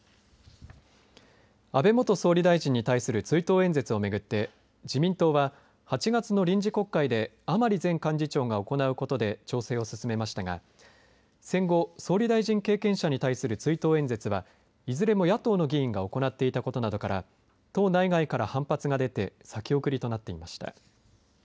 安倍元総理大臣に対する追悼演説を巡って自民党は８月の臨時国会で甘利前幹事長が行うことで調整を進めましたが戦後、総理大臣経験者に対する追悼演説はいずれも野党の議員が行っていたことなどから党内外から反発が出て先送りとなっていました。